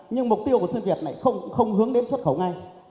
nhưng mục tiêu của xuân việt này không hướng đến xuất khẩu ngay